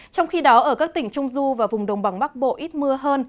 trong khi đó ở các tỉnh trung du và vùng đồng bằng bắc bộ ít mưa hơn